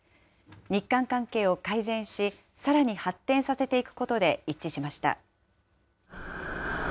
日韓関係を改善し、さらに発展させていくことで一致しました。